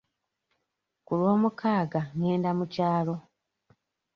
Ku lwomukaaga ngenda mu kyalo.